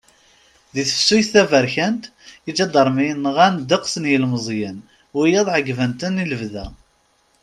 Di tefsut taberkant, iǧadaṛmiyen nɣan ddeqs n yilmeẓyen, wiyaḍ ɛeggben-ten ilebda.